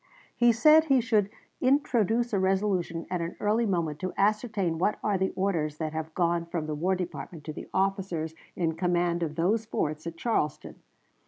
He said he should "introduce a resolution at an early moment to ascertain what are the orders that have gone from the War Department to the officers in command of those forts" at Charleston.